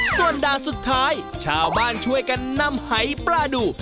ส่วนด่านสุดท้ายชาวบ้านช่วยกันนำหายปลาดู